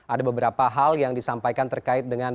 ada beberapa hal yang disampaikan terkait dengan